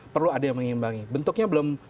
perlu ada yang mengimbangi bentuknya belum